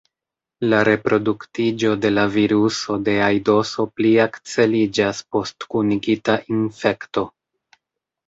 La reproduktiĝo de la viruso de aidoso pli akceliĝas post kunigita infekto.